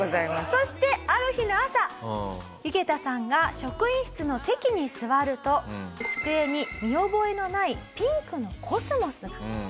そしてある日の朝ユゲタさんが職員室の席に座ると机に見覚えのないピンクのコスモスが。